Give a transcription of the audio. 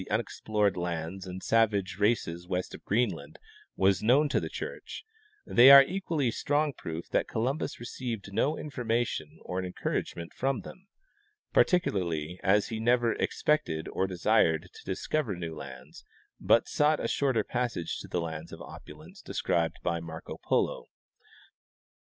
217 unexplored lands and savage races west of Greenland was known to the church, the}^ are equally strong proof that Columbus re ceived no information or encouragement from them, particularly as he never expected or desired to discover new lands, but sought a shorter passage to the lands of opulence described b}' Marco Polo.